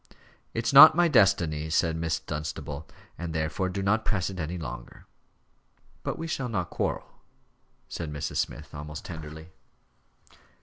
"It's not my destiny," said Miss Dunstable, "and therefore do not press it any longer." "But we shall not quarrel," said Mrs. Harold Smith, almost tenderly.